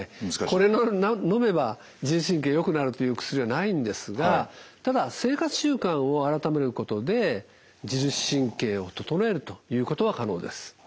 これをのめば自律神経よくなるという薬はないんですがただ生活習慣を改めることで自律神経を整えるということは可能です。